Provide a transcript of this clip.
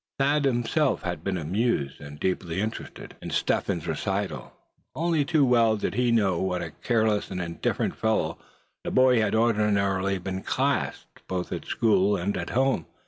Thad himself had been amused, and deeply interested, in Step Hen's recital. Only too well did he know what a careless and indifferent fellow the boy had ordinarily been classed, both at school and at home.